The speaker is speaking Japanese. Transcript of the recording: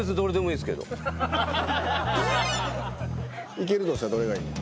いけるとしたらどれがいいの？